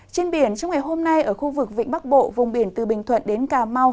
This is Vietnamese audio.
trên biển trong ngày hôm nay ở khu vực vĩnh bắc bộ vùng biển từ bình thuận đến cà mau